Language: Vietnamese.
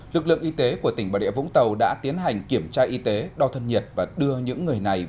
lực lượng y tế của tỉnh bà rịa vũng tàu đã tiến hành kiểm tra y tế đo thân nhiệt và đưa những người này